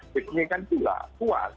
jadi ini kan pula puas